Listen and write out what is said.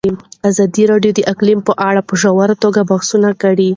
ازادي راډیو د اقلیم په اړه په ژوره توګه بحثونه کړي.